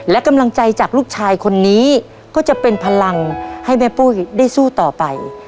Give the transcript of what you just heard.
และกำลังใจจากลูกชายคนนี้ก็จะเป็นพลังให้แม่ปุ้ยได้สู้ต่อไป